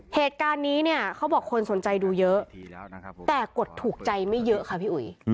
เหตุการณ์นี้เนี่ยเขาบอกคนสนใจดูเยอะนะครับแต่กดถูกใจไม่เยอะค่ะพี่อุ๋ย